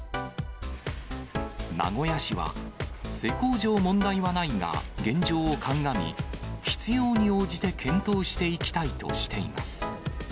名古屋市は、施工上問題はないが、現状を鑑み、必要に応じて検討していきたいとしています。